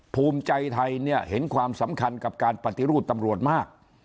ภูมิใจไทยเนี่ยเห็นความสำคัญกับการปฏิรูปตำรวจมาก